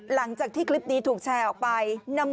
หลังจากที่คลิปนี้ถูกแชร์ออกไป